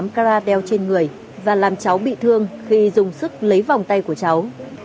một mươi tám cara đeo trên người và làm cháu bị thương khi dùng sức lấy vòng tay của cháu